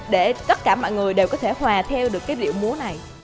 để tất cả mọi người đều có thể hòa theo được cái điệu múa này